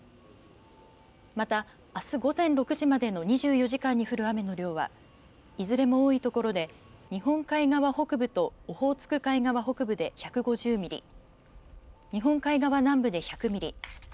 また、あす午前６時までの２４時間に降る雨の量はいずれも多いところで日本海側北部とオホーツク海側北部で１５０ミリ日本海側南部で１００ミリ。